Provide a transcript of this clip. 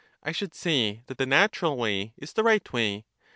I should say that the natural way is the right way.